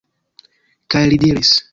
Kaj li diris: